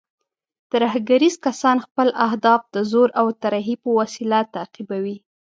ترهګریز کسان خپل اهداف د زور او ترهې په وسیله تعقیبوي.